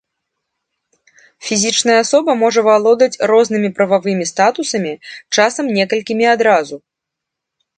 Фізічная асоба можа валодаць рознымі прававымі статусамі, часам некалькімі адразу.